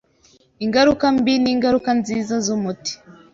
Ingaruka mbi n'ingaruka nziza z'umuti